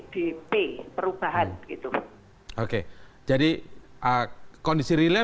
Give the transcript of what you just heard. tetep gak ada ket sertifikat